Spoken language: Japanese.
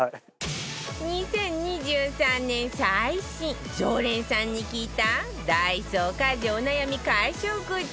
２０２３年最新常連さんに聞いたダイソー家事お悩み解消グッズ